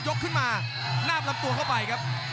ยกขาวขึ้นมาน่าบรับตัวเข้าไปครับ